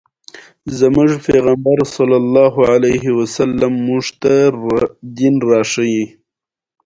د احمد زوی ومړ؛ د غم غشی يې پر ځيګر وخوړ.